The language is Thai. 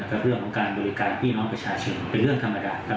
กับเรื่องของการบริการพี่น้องประชาชนเป็นเรื่องธรรมดาครับ